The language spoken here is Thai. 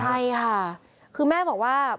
ใช่ค่ะคือแม่บอกว่า